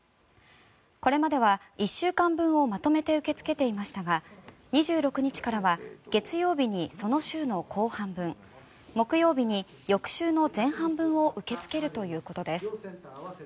これまでは１週間分をまとめて受け付けていましたが２６日からは月曜日にその週の後半分木曜日に翌週の前半分を受け付けるということです。